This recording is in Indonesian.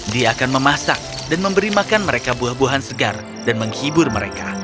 dia akan memasak dan memberi makan mereka buah buahan segar dan menghibur mereka